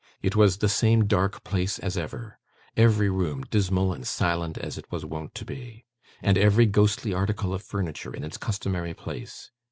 It was the same dark place as ever: every room dismal and silent as it was wont to be, and every ghostly article of furniture in its customary place.